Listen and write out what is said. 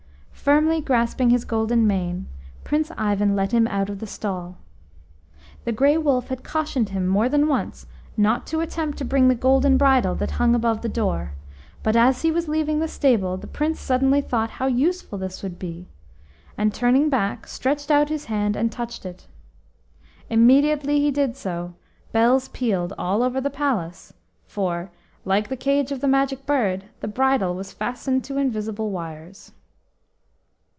Firmly grasping his golden mane, Prince Ivan led him out of the stall. The Grey Wolf had cautioned him more than once not to attempt to bring the golden bridle that hung above the door, but as he was leaving the stable the Prince suddenly thought how useful this would be, and, turning back, stretched out his hand and touched it. Immediately he did so, bells pealed all over the palace, for, like the cage of the Magic Bird, the bridle was fastened to invisible wires.